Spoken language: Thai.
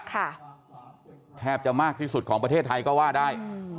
แทบจะมากที่สุดของประเทศไทยก็ว่าได้